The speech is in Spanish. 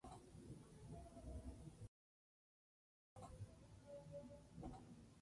Los dos dialectos tienen el mismo repertorio de sonido.